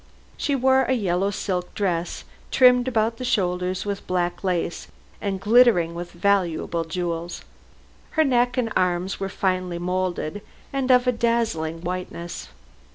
She wore a yellow silk dress trimmed about the shoulders with black lace and glittering with valuable jewels. Her neck and arms were finely moulded and of a dazzling whiteness.